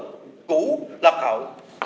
cũ lạc hảo